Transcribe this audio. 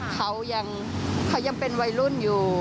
เขายังเป็นวัยรุ่นอยู่